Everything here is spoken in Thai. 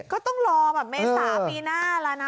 ก็ต้องรอแบบเมษาปีหน้าแล้วนะ